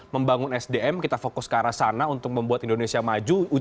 membangun sdm kita fokus ke arah sana untuk membuat indonesia maju